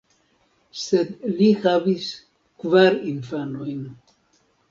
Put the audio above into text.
Sed li havis kvar infanojn.